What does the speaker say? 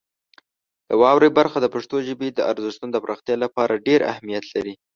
د واورئ برخه د پښتو ژبې د ارزښتونو د پراختیا لپاره ډېر اهمیت لري.